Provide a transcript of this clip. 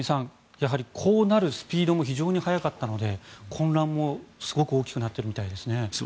やはりこうなるスピードも非常に速かったので混乱もすごく大きくなっているみたいですね。